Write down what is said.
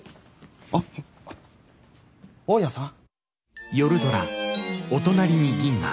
あ大家さん？